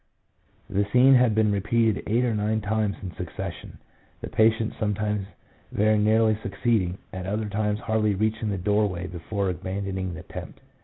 The scene has been repeated eight or nine times in succession, the patient sometimes very nearly succeeding, at other times hardly reaching the doorway before abandoning the attempt."